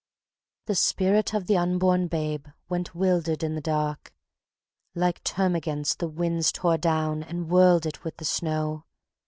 The Spirit of the Unborn Babe went wildered in the dark; Like termagants the winds tore down and whirled it with the snow.